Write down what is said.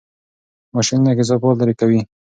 ماشینونه کثافات لرې کوي.